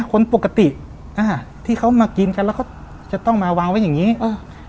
คนปกติอ่าที่เขามากินกันแล้วเขาจะต้องมาวางไว้อย่างงี้เออ